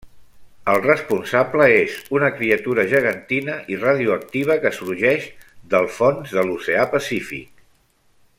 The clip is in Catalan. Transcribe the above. El responsable és una criatura gegantina i radioactiva que sorgeix del fons de l'Oceà Pacífic.